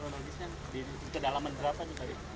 kronologisnya di kedalaman berapa tadi